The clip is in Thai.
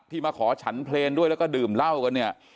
มาขอฉันเพลงด้วยแล้วก็ดื่มเหล้ากันเนี่ย